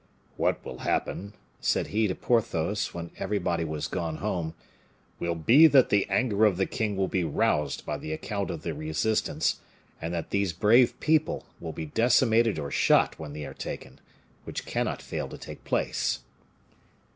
"What will happen," said he to Porthos, when everybody was gone home, "will be that the anger of the king will be roused by the account of the resistance; and that these brave people will be decimated or shot when they are taken, which cannot fail to take place."